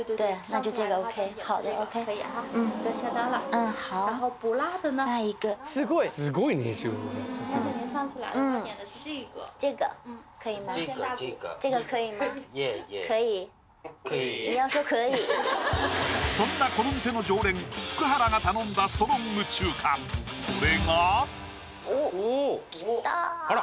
さすがそんなこの店の常連福原が頼んだストロング中華それがおっ来た！